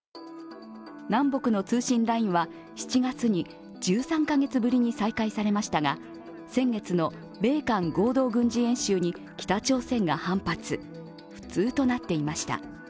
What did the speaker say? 南北の通信ラインは、７月に１３カ月ぶりに再開されましたが先月の米韓合同軍事演習に北朝鮮が反発、不通となっていました。